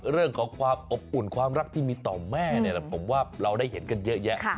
เรื่องของความอบอุ่นความรักที่มีต่อแม่เนี่ยผมว่าเราได้เห็นกันเยอะแยะ